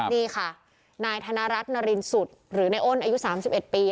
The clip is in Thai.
นี่ค่ะนายธนรัฐนารินสุดหรือในอ้นอายุ๓๑ปี